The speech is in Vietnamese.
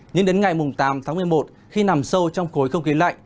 nhưng đến ngày tám tháng một mươi một khi nằm sâu trong khối không khí lạnh